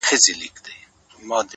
لپاره دې ښار كي په جنگ اوسېږم;